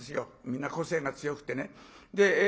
みんな個性が強くてね。